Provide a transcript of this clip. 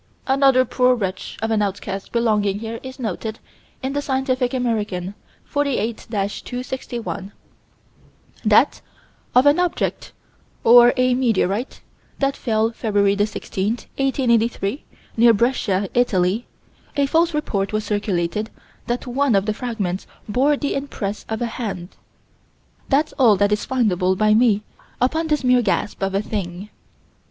Another poor wretch of an outcast belonging here is noted in the Scientific American, 48 261: that, of an object, or a meteorite, that fell Feb. 16, 1883, near Brescia, Italy, a false report was circulated that one of the fragments bore the impress of a hand. That's all that is findable by me upon this mere gasp of a thing.